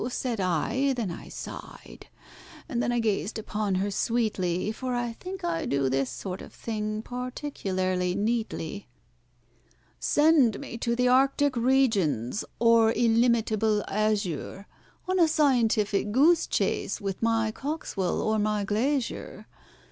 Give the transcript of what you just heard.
said I, then I sighed, and then I gazed upon her sweetly— For I think I do this sort of thing particularly neatly. "Send me to the Arctic regions, or illimitable azure, On a scientific goose chase, with my COXWELL or my GLAISHER!